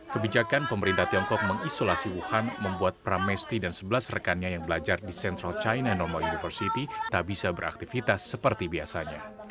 kebijakan pemerintah tiongkok mengisolasi wuhan membuat pramesti dan sebelas rekannya yang belajar di central china normal university tak bisa beraktivitas seperti biasanya